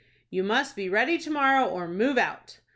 "You must be ready to morrow, or move out."